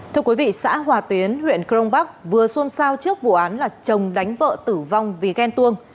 thưa quý vị xã hòa tiến huyện crong bắc vừa xôn xao trước vụ án là chồng đánh vợ tử vong vì ghen tuông